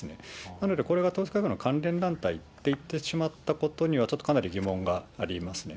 なのでこれが統一教会の関連団体といってしまったことにはちょっとかなり疑問がありますね。